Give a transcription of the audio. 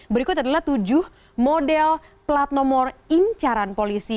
berikut adalah tujuh model plat nomor incaran polisi